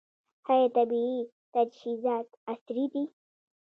آیا طبي تجهیزات عصري دي؟